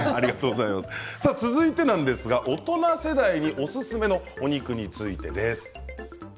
続いては大人世代におすすめのお肉についてです。